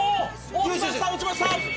「落ちました落ちました！」